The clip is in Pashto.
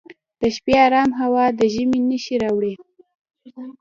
د شپې ارام هوا د ژمي نښې راوړي.